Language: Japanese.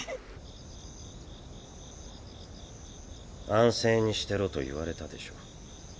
安静にしてろと言われたでしょ。